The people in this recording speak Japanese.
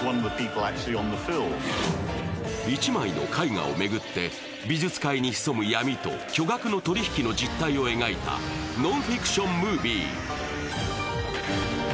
１枚の絵画を巡って、美術界に潜む闇と巨額の取り引きの実態を描いたノンフィクション・ムービー。